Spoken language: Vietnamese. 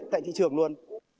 tại chợ này